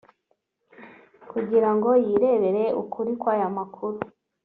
kugira ngo yirebere ukuri kw’aya makuru